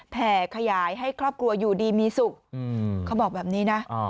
แผ่ขยายให้ครอบครัวอยู่ดีมีสุขเขาบอกแบบนี้นะ